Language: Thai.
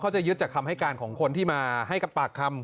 จะยึดจากคำให้การของคนที่มาให้กับปากคำ